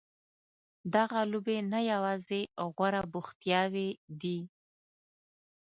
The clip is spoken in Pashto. دغه لوبې نه یوازې غوره بوختیاوې دي.